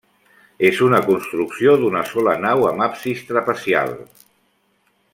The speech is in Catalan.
És una construcció d'una sola nau amb absis trapezial.